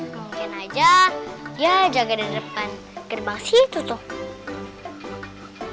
mungkin aja dia jaga di depan gerbang situ tuh